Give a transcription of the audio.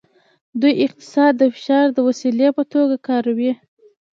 دوی اقتصاد د فشار د وسیلې په توګه کاروي